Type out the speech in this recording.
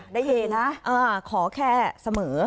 ได้เห็นฮะขอแคร์เสมอ